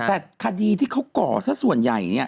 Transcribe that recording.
แต่คดีที่เขาก่อซะส่วนใหญ่เนี่ย